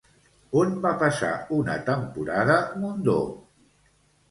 On va passar una temporada Mundó?